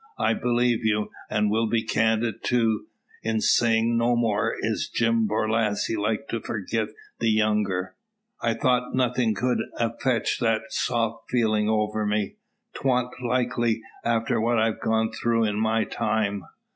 I believe you; and will be candid, too, in sayin', no more is Jim Borlasse like to forget the younger. I thought nothin' could 'a fetched that soft feelin' over me. 'Twant likely, after what I've gone through in my time.